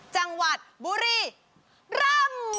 จังหวัดบุรีรำ